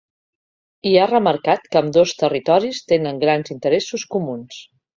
I ha remarcat que ambdós territoris tenen grans interessos comuns.